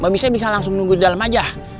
mbak misa bisa langsung nunggu di dalam aja